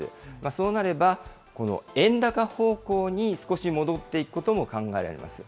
そうなれば、円高方向に少し戻っていくことも考えられます。